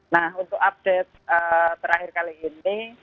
nah untuk update terakhir kali ini